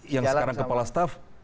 yang sekarang kepala staff